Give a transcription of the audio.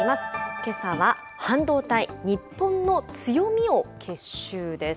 けさは半導体、日本の強みを結集です。